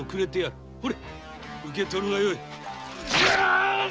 受け取るがよい